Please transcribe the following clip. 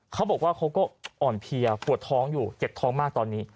เขาบอกว่าเขาก็อ่อนเพียวบวชท้องอยู่เจ็บท้องมากตอนนี้